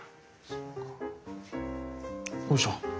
よいしょ。